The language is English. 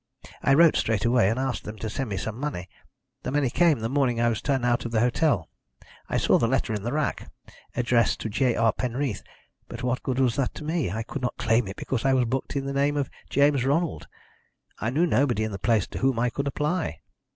I wrote straight away, and asked them to send me some money. The money came, the morning I was turned out of the hotel; I saw the letter in the rack, addressed to J. R. Penreath, but what good was that to me? I could not claim it because I was booked in the name of James Ronald. I knew nobody in the place to whom I could apply.